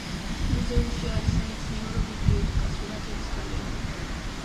მუზეუმში არის სამეცნიერო ბიბლიოთეკა, სურათების გალერეა.